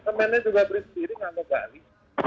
temennya juga berdiri nggak mau gali